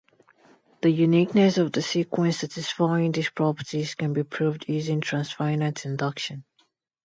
The uniqueness of the sequence satisfying these properties can be proved using transfinite induction.